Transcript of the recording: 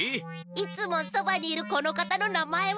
いつもそばにいるこのかたのなまえは？